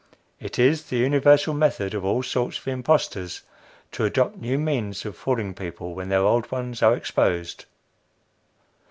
It is the universal method of all sorts of impostors to adopt new means of fooling people when their old ones are exposed.